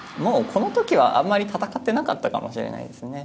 この時はあまり戦ってなかったかもしれないですね。